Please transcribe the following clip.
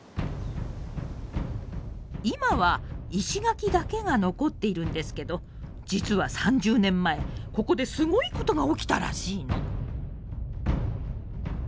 今は石垣だけが残っているんですけど実は３０年前ここですごいことが起きたらしいの！